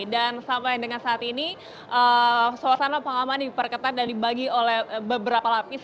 dan sampai dengan saat ini suasana pengalaman diperketat dan dibagi oleh beberapa lapis